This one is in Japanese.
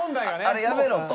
あれやめろと。